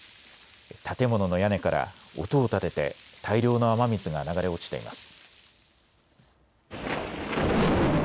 建物の屋根から音を立てて大量の雨水が流れ落ちています。